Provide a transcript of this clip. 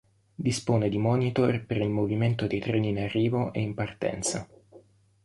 Dispone di monitor per il movimento dei treni in arrivo e in partenza.